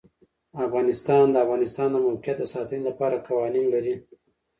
افغانستان د د افغانستان د موقعیت د ساتنې لپاره قوانین لري.